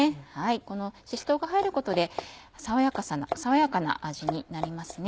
このしし唐が入ることで爽やかな味になりますね。